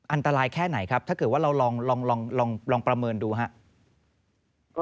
อันตรายแค่ไหนครับถ้าเกิดว่าเราลองประเมินดูครับ